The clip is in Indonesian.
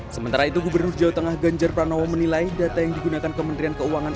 sementara itu gubernur jawa tengah ganjar pranowo menilai data yang digunakan kementerian keuangan